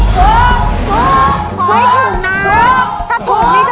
ถูกถูกถูก